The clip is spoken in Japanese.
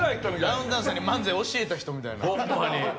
ダウンタウンさんに漫才教えた人みたいな。